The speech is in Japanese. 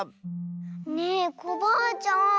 ねえコバアちゃん